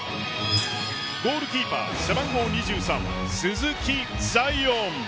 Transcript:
ゴールキーパー背番号２３、鈴木彩艶。